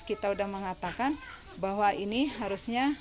kita sudah mengatakan bahwa ini harusnya